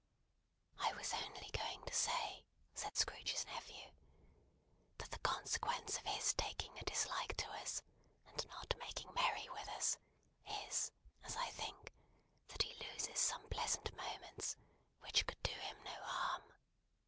"I was only going to say," said Scrooge's nephew, "that the consequence of his taking a dislike to us, and not making merry with us, is, as I think, that he loses some pleasant moments, which could do him no harm.